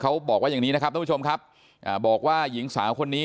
เขาบอกว่าอย่างนี้นะครับท่านผู้ชมครับอ่าบอกว่าหญิงสาวคนนี้